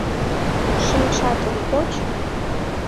Шинчатым поч!